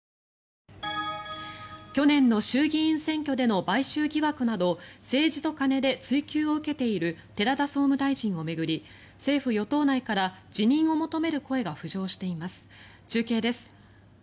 去年の衆議院選挙での買収疑惑など政治と金で追及を受けている寺田総務大臣を巡り政府与党内から辞任を求める声が浮上しています中継です。